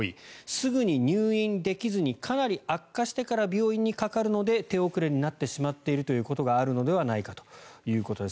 すぐに入院できずにかなり悪化してから病院にかかるので手遅れになってしまっているということがあるのではないかということです。